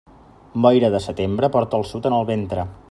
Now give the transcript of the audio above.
Boira de setembre porta el sud en el ventre.